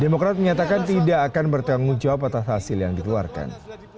demokrat menyatakan tidak akan bertanggung jawab atas hasil yang dikeluarkan